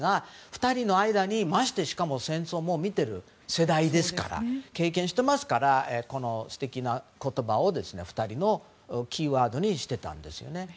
２人の間に、しかも戦争も見ている世代ですから経験してますからこの素敵な言葉を２人のキーワードにしてたんですよね。